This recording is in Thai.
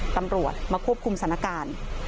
ตำรวจมาควบคุมสถานการณ์